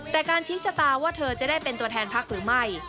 แต่การชี้ชะตาว่าเธอจะได้เป็นตัวแทนพักหรือไม่